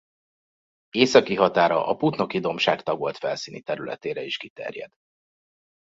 Északi határa a Putnoki-dombság tagolt felszíni területére is kiterjed.